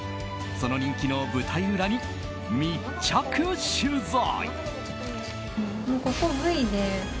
その人気の舞台裏に密着取材！